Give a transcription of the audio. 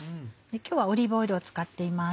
今日はオリーブオイルを使っています。